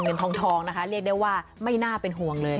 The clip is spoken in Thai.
เงินทองนะคะเรียกได้ว่าไม่น่าเป็นห่วงเลย